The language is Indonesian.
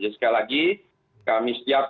jadi sekali lagi kami siap